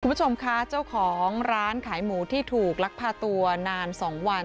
คุณผู้ชมคะเจ้าของร้านขายหมูที่ถูกลักพาตัวนาน๒วัน